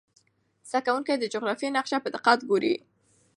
زده کوونکي د جغرافیې نقشه په دقت ګوري.